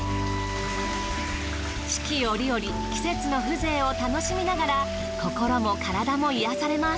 四季折々季節の風情を楽しみながら心も体も癒やされます。